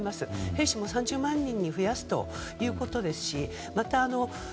兵士も３０万人に増やすということですしまた